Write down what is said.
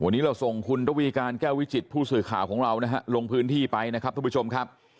วันนี้เราส่งทวีการแก้ววิจิตผู้สื่อข่าวลงพื้นที่ไปนะครับทุกผู้ชมครับ